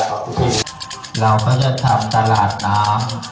ค่ะค่ะขอบคุณผู้ชมเราก็จะทำตลาดน้ำ